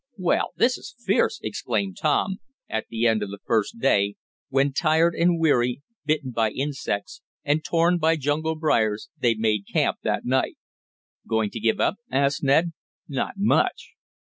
"Well, this is fierce!" exclaimed Tom, at the end of the first day when, tired and weary, bitten by insects, and torn by jungle briars, they made camp that night. "Going to give up?" asked Ned. "Not much!"